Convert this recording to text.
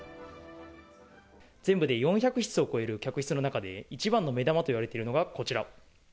全部で４００室を超える客室の中で、一番の目玉といわれているのが、こちら。